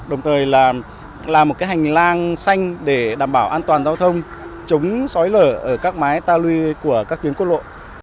đồng thời làm một hành lang xanh để đảm bảo an toàn giao thông chống xói lở ở các mái ta lưu của các tuyến quốc lộ